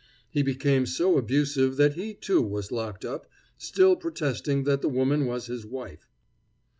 He became so abusive that he, too, was locked up, still protesting that the woman was his wife.